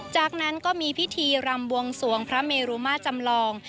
จากนั้นก็มีพิธีรำบวงสวงพระเมรุมาจำลอง